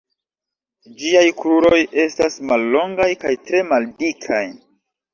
Ĝiaj kruroj estas mallongaj kaj tre maldikaj.